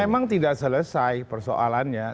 memang tidak selesai persoalannya